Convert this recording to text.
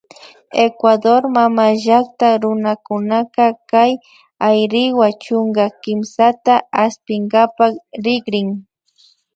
Ecuador mamallakta runakunaka kay Ayriwa chunka kimsata aspinkapak rikrin